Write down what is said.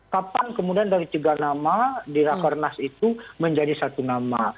kapan kemudian dari tiga nama di rakernas itu menjadi satu nama